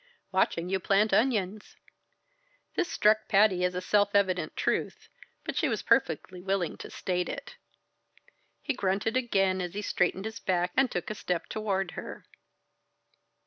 "Watching you plant onions." This struck Patty as a self evident truth, but she was perfectly willing to state it. He grunted again as he straightened his back and took a step toward her.